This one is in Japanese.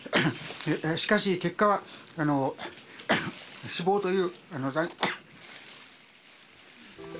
しかし、結果は死亡という残念な。